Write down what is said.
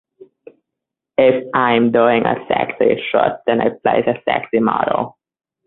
If I am doing a sexy shoot then I play the sexy model.